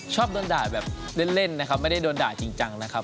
ชอบโดนด่าแบบเล่นนะครับไม่ได้โดนด่าจริงจังนะครับ